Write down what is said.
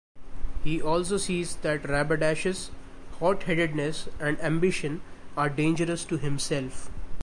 He also sees that Rabadash's hot-headedness and ambition are dangerous to himself.